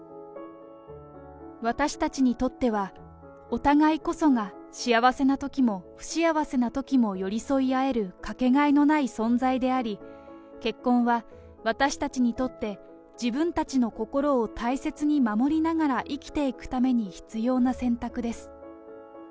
私たちにとっては、お互いこそが幸せなときも不幸せなときも寄り添い合える掛けがえのない存在であり、結婚は私たちにとって自分たちの心を大切に守りながら生きていくために必要な選択です。